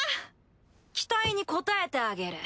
期待に応えてあげる。